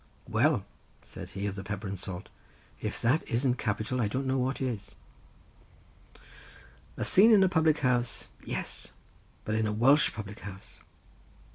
'" "Well," said he of the pepper and salt, "if that isn't capital I don't know what is." A scene in a public house, yes! but in a Welsh public house.